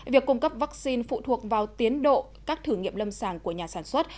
việc cung cấp vaccine phụ thuộc vào tiến độ các thử nghiệm lâm sàng của nhà sản xuất